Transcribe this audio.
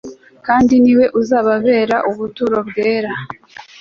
kandi ni we uzababera ubuturo bwera.previousnext